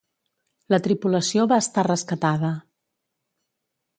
La tripulació va estar rescatada.